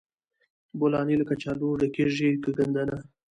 بولاني له کچالو ډکیږي که ګندنه؟